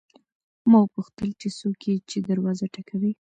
ما وپوښتل چې څوک یې چې دروازه ټکوي.